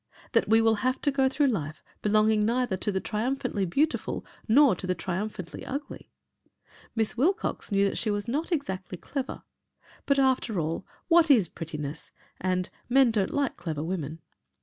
That we will have to go through life belonging neither to the triumphantly beautiful nor to the triumphantly ugly? Miss Wilcox knew that she was not exactly clever. But after all, what is prettiness and "men don't like clever women."